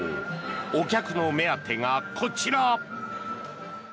お客の目当てがこちら。